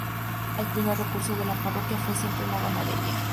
El primer recurso de la parroquia fue siempre la ganadería.